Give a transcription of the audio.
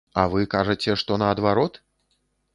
А вы кажаце, што наадварот?